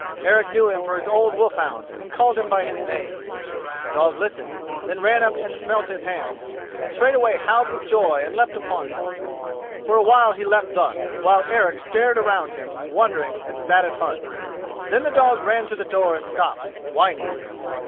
Eric knew him for his old wolf hound, and called him by his name. The dog listened, then ran up and smelt his hands, and straightway howled with joy and leapt upon him. For a while he leapt thus, while Eric stared around him wondering and sad at heart. Then the dog ran to the door and stopped, whining.